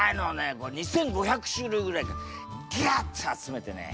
これ２，５００種類ぐらいぎゅって集めてね